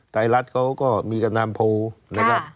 ไทยรัฐเขาก็มีตำนานโพลนะครับ